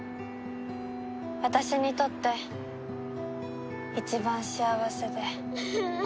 私にとって一番幸せで。